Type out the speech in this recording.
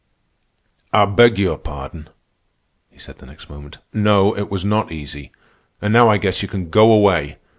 "I beg your pardon," he said the next moment. "No, it was not easy. And now I guess you can go away.